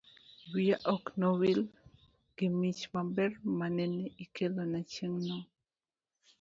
wiya ok no wil gi mich maber manene ikelona chieng'no.